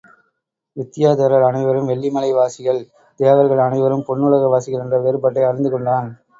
வித்தியாதரர் அனைவரும் வெள்ளிமலை வாசிகள் தேவர்கள் அனைவரும் பொன்னுலக வாசிகள் என்ற வேறுபாட்டை அறிந்து கொண்டான்.